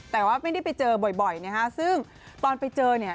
แต่ว่าไม่ได้ไปเจอบ่อยนะฮะซึ่งตอนไปเจอเนี่ย